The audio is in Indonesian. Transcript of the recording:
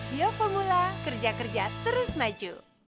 bio pemula kerja kerja terus maju